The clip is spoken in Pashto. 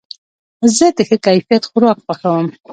زه د ښه کیفیت خوراک خوښوم.